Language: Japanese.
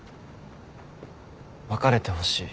別れてほしい。